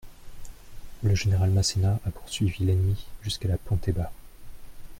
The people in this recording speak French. Le général Masséna a poursuivi l'ennemi jusqu'à la Ponteba.